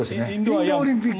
インドオリンピック。